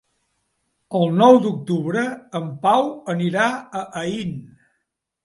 El nou d'octubre en Pau anirà a Aín.